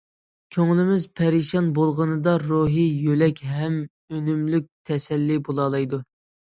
كۆڭلىمىز پەرىشان بولغىنىدا روھىي يۆلەك ھەم ئۈنۈملۈك تەسەللى بولالايدۇ.